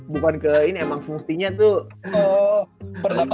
bukan ke ini emang fungsinya tuh